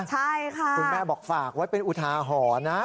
คุณแม่บอกฝากว่าเป็นอุทาห่อน่ะ